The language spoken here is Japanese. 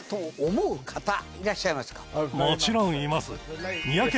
もちろんいます。